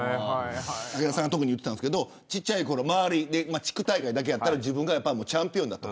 武田さんが言ってたんですけど地区大会だけだったら自分がチャンピオンだと。